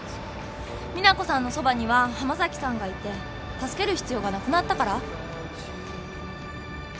実那子さんのそばには濱崎さんがいて助ける必要がなくなったから？